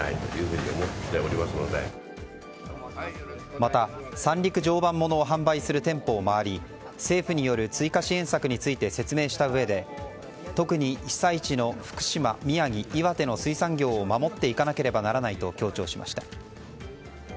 また、三陸・常磐ものを販売する店舗を回り政府による追加支援策について説明したうえで特に被災地の福島、宮城岩手の水産業を守っていかなければならないと強調しました。